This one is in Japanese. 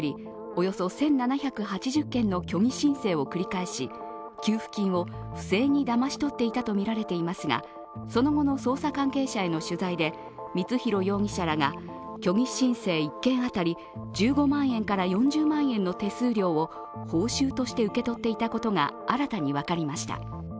およそ１７８０件の虚偽申請を繰り返し給付金を不正にだまし取っていたとみられていますがその後の捜査関係者への取材で光弘容疑者らが虚偽申請１件当たり１５万円から４０万円の手数料を報酬として受け取っていたことが新たに分かりました。